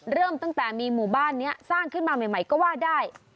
เริ่มตั้งแต่มีหมู่บ้านนี้สร้างขึ้นมาใหม่ก็ว่าได้